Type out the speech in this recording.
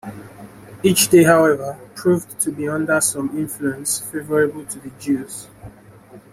Each day, however, proved to be under some influence favorable to the Jews.